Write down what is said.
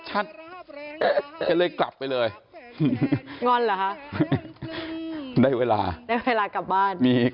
ก็เลยกลับไปเลยงอนเหรอคะได้เวลากลับบ้าน